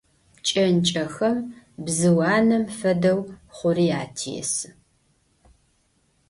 Кӏэнкӏэхэм, бзыу анэм фэдэу, хъури атесы.